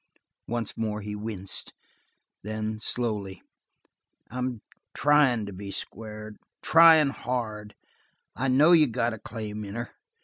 Once more he winced. Then, slowly: "I'm tryin' to be square. Tryin' hard. I know you got a claim in her.